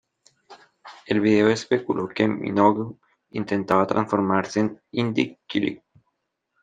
El video especuló que Minogue intentaba transformarse en ""Indie-Kylie"".